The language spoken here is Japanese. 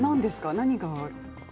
何か。